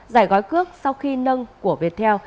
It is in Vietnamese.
giải gói cước sau khi nâng của viettel